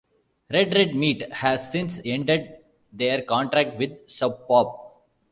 Red Red Meat has since ended their contract with Sub Pop.